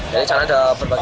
jadi sekarang ada berkeliling